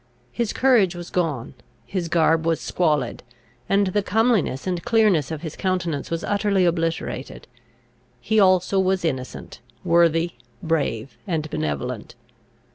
His courage was gone, his garb was squalid, and the comeliness and clearness of his countenance was utterly obliterated. He also was innocent, worthy, brave, and benevolent.